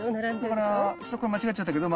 だからちょっとこれ間違っちゃったけど。